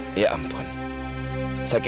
kita jadi negara kelihatan dia